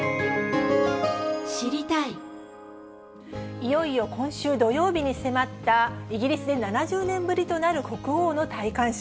いよいよ今週土曜日に迫った、イギリスで７０年ぶりとなる国王の戴冠式。